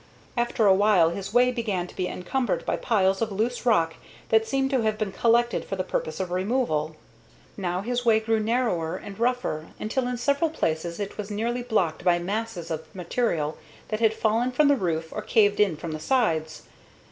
After a while his way began to be encumbered by piles of loose rock that seemed to have been collected for the purpose of removal. Now his way grew narrower and rougher, until in several places it was nearly blocked by masses of material that had fallen from the roof or caved in from the sides.